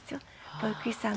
保育士さん